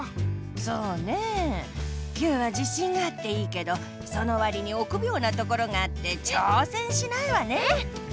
そうねえＱは自信があっていいけどそのわりにおくびょうなところがあってちょうせんしないわねえ。